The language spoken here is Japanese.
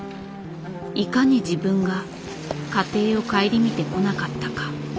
いかに自分が家庭を顧みてこなかったか。